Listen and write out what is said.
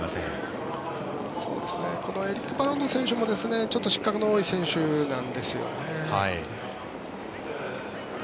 エリック・バロンド選手も失格の多い選手なんですよね。